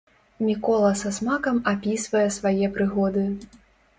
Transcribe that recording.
Мікола са смакам апісвае свае прыгоды.